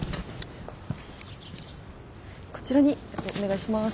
こちらにお願いします。